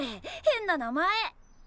変な名前！